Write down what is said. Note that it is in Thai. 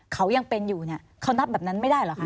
เขายังเป็นอยู่เนี่ยเขานับแบบนั้นไม่ได้เหรอคะ